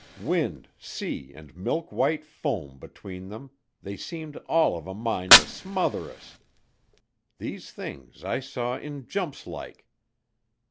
Wind, sea, and milk white foam between them they seemed all of a mind to smother us. These things I saw in jumps like.